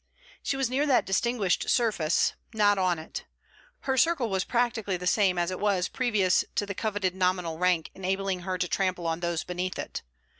She was near that distinguished surface, not on it. Her circle was practically the same as it was previous to the coveted nominal rank enabling her to trample on those beneath it.